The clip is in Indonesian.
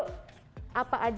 apa aja yang dibutuhkan